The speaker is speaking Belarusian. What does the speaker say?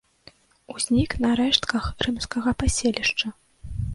Узнік на рэштках рымскага паселішча.